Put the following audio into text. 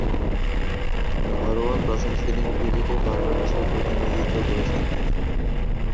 ঘরোয়া প্রথম-শ্রেণীর ক্রিকেটে বার্বাডোসের প্রতিনিধিত্ব করেছেন তিনি।